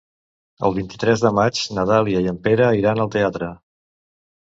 El vint-i-tres de maig na Dàlia i en Pere iran al teatre.